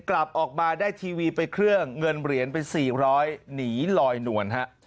กลับออกมาได้ทีวีไปเครื่องเงินเหรียญไป๔๐๐หนีลอยนวลฮะ